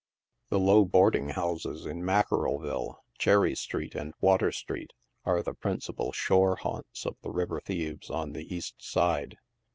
The low boarding houses in Mackerel ville, Cherry street and Water street, are the principal shore haunts of the river thieves on the east side.